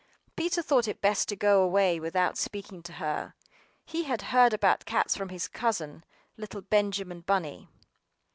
Peter thought it best to go away without speaking to her; he had heard about cats from his cousin, little Benjamin Bunny.